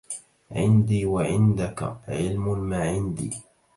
عندي وعندك علم ماعندي